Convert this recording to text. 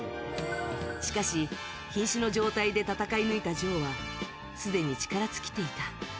しかし瀕死の状態で戦い抜いたジョーはすでに力尽きていた。